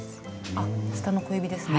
あっ下の小指ですね。